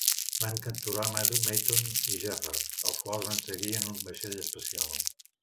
Van capturar Matton i Jaffar, als quals van seguir en un vaixell espacial.